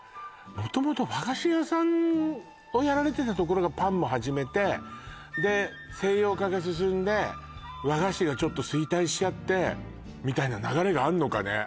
元々和菓子屋さんをやられてたところがパンも始めてで西洋化が進んで和菓子がちょっと衰退しちゃってみたいな流れがあんのかね